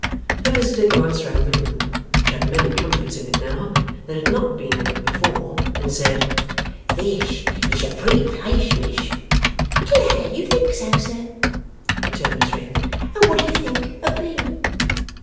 Her visitor glanced round the room which had many comforts in it now, that had not been in it before and said: 'This is a pretty place, Miss.' 'Glad you think so, sir,' returned Miss Wren. 'And what do you think of Me?